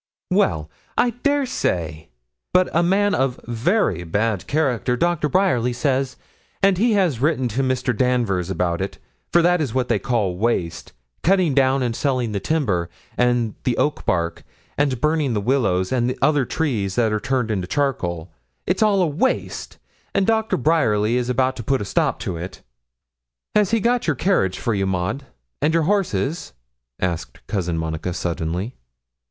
'Well, I dare say; but a man of very bad character, Dr. Bryerly says; and he has written to Mr. Danvers about it for that is what they call waste, cutting down and selling the timber, and the oakbark, and burning the willows, and other trees that are turned into charcoal. It is all waste, and Dr. Bryerly is about to put a stop to it.' 'Has he got your carriage for you, Maud, and your horses?' asked Cousin Monica, suddenly.